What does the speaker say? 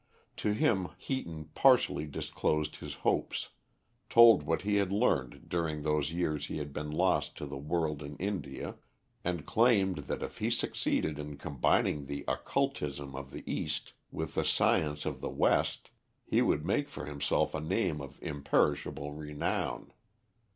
To him Heaton partially disclosed his hopes, told what he had learned during those years he had been lost to the world in India, and claimed that if he succeeded in combining the occultism of the East with the science of the West, he would make for himself a name of imperishable renown.